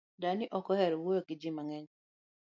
Dani ok ohero wuoyo gi jii mang’eny